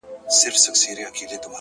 د تورو شپو سپين څراغونه مړه ســول-